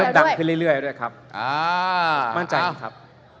เริ่มดังขึ้นเรื่อยด้วยครับ